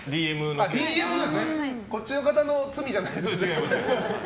こっちの方の罪じゃない。